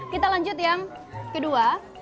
kita lanjut yang kedua